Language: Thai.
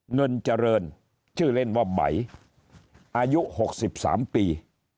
เนินเจริญชื่อเล่นว่าไบ๋อายุหกสิบสามปี